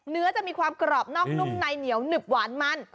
เนื้อจะมีความกรอบนอกนุ่มในเหนียวหนึบหวานมัน